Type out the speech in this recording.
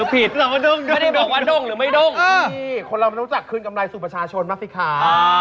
พี่คนเราไม่รู้จักคืนกำไรสู่ประชาชนมากสิคะ